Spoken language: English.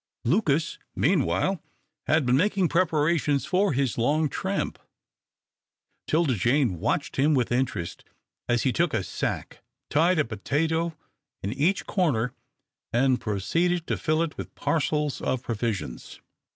Lucas, meanwhile, had been making preparations for his long tramp. 'Tilda Jane watched him with interest as he took a sack, tied a potato in each corner, and proceeded to fill it with parcels of provisions.